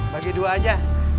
bagi dua aja